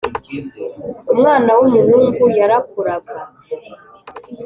Umwana wu muhungu yarakuraga